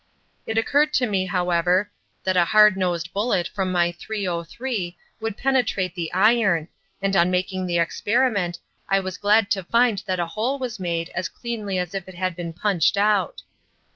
It occurred to me, however, that a hard nosed bullet from my .303 would penetrate the iron, and on making the experiment I was glad to find that a hole was made as cleanly as if it had been punched out.